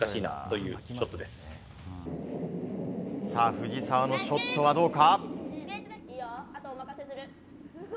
藤澤のショットはどうか。